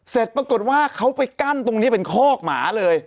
เสร็จปรากฏว่าเขาไปกั้นตรงนี้เป็นคอกหมาเลย